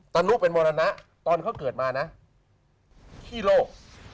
ตนุเป็นมรณะตอนเขาเกิดมานะขี้โลก